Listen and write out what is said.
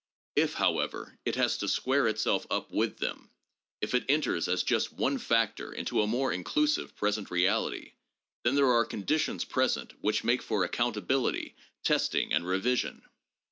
If, however, it has to square itself up with them, if it enters as just one factor into a more inclusive present reality, then there are conditions present which make for accountability, testing and revision.